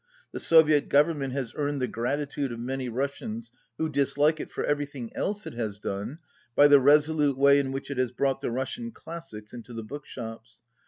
The Soviet Government has earned the gratitude of many Russians who dislike it for everything else it has done by the resolute way in which it has brought the Russian classics into the bookshops.